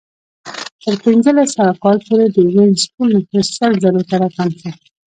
تر پنځلس سوه کال پورې د وینز ټول نفوس سل زرو ته راکم شو